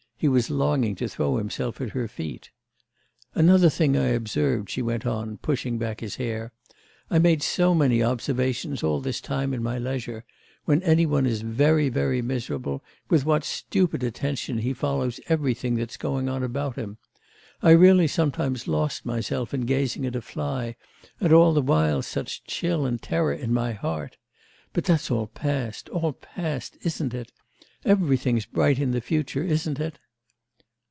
He was longing to throw himself at her feet. 'Another thing I observed,' she went on, pushing back his hair 'I made so many observations all this time in my leisure when any one is very, very miserable, with what stupid attention he follows everything that's going on about him! I really sometimes lost myself in gazing at a fly, and all the while such chill and terror in my heart! But that's all past, all past, isn't it? Everything's bright in the future, isn't it?